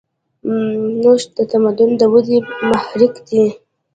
نوښت د تمدن د ودې محرک دی.